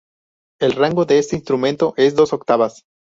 El rango de este instrumento es dos octavas.